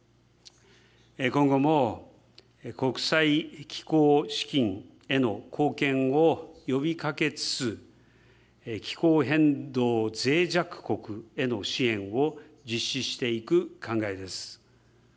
今後も国際気候資金への貢献を呼びかけつつ、気候変動ぜい弱国への支援を実施していく考えです。